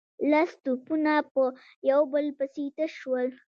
لس توپونه په يو بل پسې تش شول.